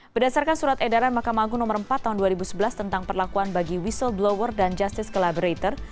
berdasarkan surat edaran mahkamah agung nomor empat tahun dua ribu sebelas tentang perlakuan bagi whistleblower dan justice collaborator